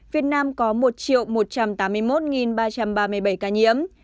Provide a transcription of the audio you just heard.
việt nam có một một trăm tám mươi một ba trăm ba mươi bảy ca nhiễm